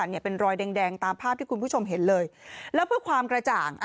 เนี่ยเป็นรอยแดงแดงตามภาพที่คุณผู้ชมเห็นเลยแล้วเพื่อความกระจ่าง